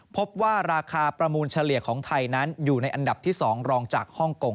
พบว่าราคาประมูลเฉลี่ยของไทยนั้นอยู่ในอันดับที่๒รองจากฮ่องกง